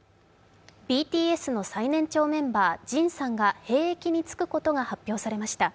ＢＴＳの最年長メンバー、ＪＩＮさんが兵役に就くことが発表されました。